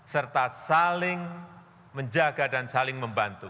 serta saling menjaga dan saling membantu